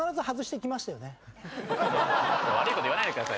悪いこと言わないでくださいよ。